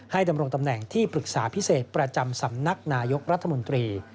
ดำรงตำแหน่งที่ปรึกษาพิเศษประจำสำนักนายกรัฐมนตรี